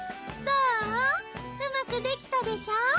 うまくできたでしょ。